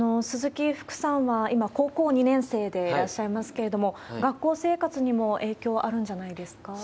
鈴木福さんは今、高校２年生でいらっしゃいますけれども、学校生活にも影響、あるんじゃないですか？